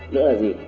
lỡ là gì